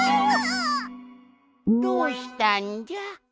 どうしたんじゃ？